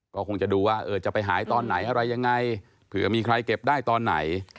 ก็คงจะดูว่าจะไปหายตอนไหนอะไรยังไงเผื่อมีใครเก็บได้ตอนไหน